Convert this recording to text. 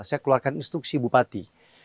saya keluarkan instruksi bupati